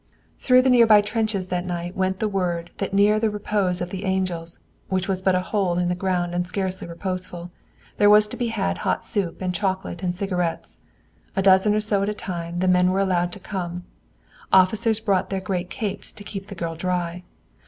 Through the near by trenches that night went the word that near the Repose of the Angels which was but a hole in the ground and scarcely reposeful there was to be had hot soup and chocolate and cigarettes. A dozen or so at a time, the men were allowed to come. Officers brought their great capes to keep the girl dry.